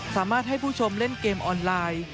สามารถให้ผู้ชมเล่นเกมออนไลน์